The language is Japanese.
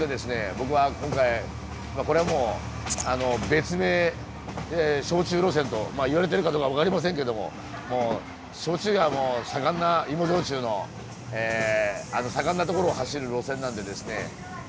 僕は今回これはもう別名焼酎路線とまあ言われてるかどうか分かりませんけども焼酎が盛んな芋焼酎の盛んな所を走る路線なんでですね